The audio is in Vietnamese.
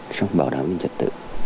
trong bảo đảm an ninh trật tự